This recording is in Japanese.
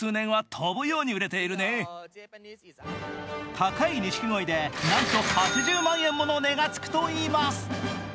高いにしきごいでなんと８０万円もの値がつくといいます。